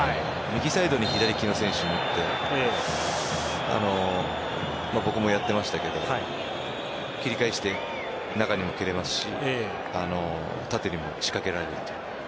右サイドに左利きの選手がいて僕もやってましたが切り返して、中にも蹴れますし縦にも仕掛けられる。